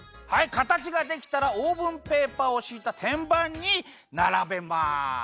かたちができたらオーブンペーパーをしいたてんばんにならべます。